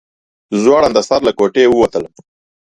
زوړنده سر له کوټې ووتلم.